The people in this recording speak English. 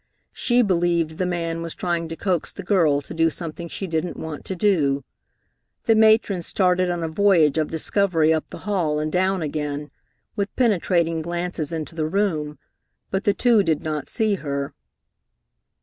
She believed the man was trying to coax the girl to do something she didn't want to do. The matron started on a voyage of discovery up the hall and down again, with penetrating glances into the room, but the two did not see her.